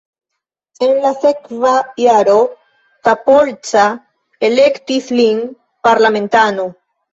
En la sekva jaro Tapolca elektis lin parlamentano.